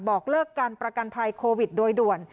บอกเลิกการประกันภัยโควิดโดยด่วน